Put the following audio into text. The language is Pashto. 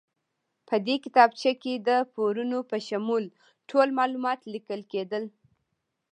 په دې کتابچه کې د پورونو په شمول ټول معلومات لیکل کېدل.